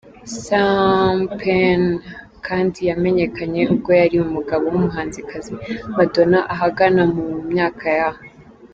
Sean Penn kandi yamenyekanye ubwo yari umugabo w’umuhanzikazi Madonna ahagana mu myaka ya .